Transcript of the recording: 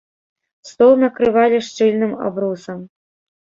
Стол накрывалі шчыльным абрусам.